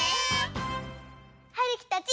はるきたち